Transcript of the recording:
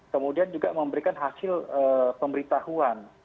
kemudian juga memberikan hasil pemberitahuan